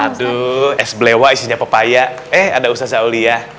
aduh es belewa isinya pepaya eh ada ustaz zauli ya